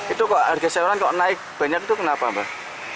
itu kok harga sayuran naik banyak tuh kenapa mbak